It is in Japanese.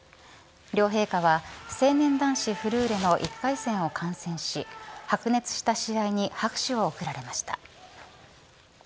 両陛下は成年男子フルーレの１回戦を観戦し白熱した試合に拍手を送られました。